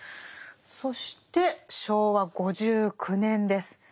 そして昭和５９年です。